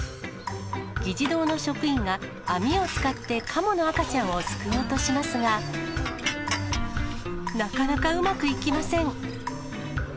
議事堂の職員が、網を使ってカモの赤ちゃんを救おうとしますが、なかなかうまくいきません。